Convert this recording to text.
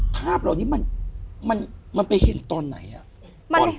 ภาพเหล่านี้มันไปเห็นตอนไหนอ่ะ